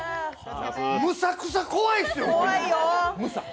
むさくさ怖いですよ！